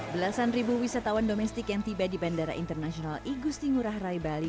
belasan ribu wisatawan domestik yang tiba di bandara internasional igusti ngurah rai bali